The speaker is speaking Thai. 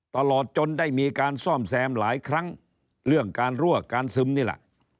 ตลอดจนได้มีการซ่อมแซมหลายครั้งเรื่องการรั่วการซึมนี่แหละ